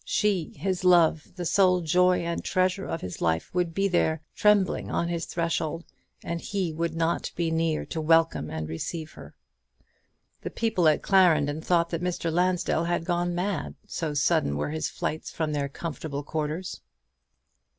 She, his love, the sole joy and treasure of his life, would be there, trembling on his threshold, and he would not be near to welcome and receive her. The people at the Clarendon thought that Mr. Lansdell had gone mad, so sudden were his flights from their comfortable quarters.